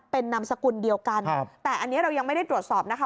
เป็นนามสกุลเดียวกันแต่อันนี้เรายังไม่ได้ตรวจสอบนะคะ